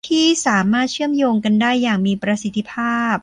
ที่สามารถเชื่อมโยงกันได้อย่างมีประสิทธิภาพ